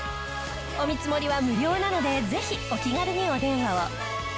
お見積もりは無料なのでぜひお気軽にお電話を。